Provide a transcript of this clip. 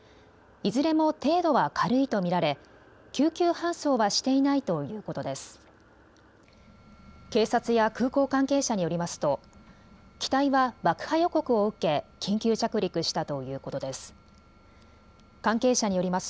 いずれも程度は軽いと見られ救急搬送はしていないということです。